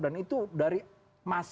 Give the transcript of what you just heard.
dan itu dari masa itu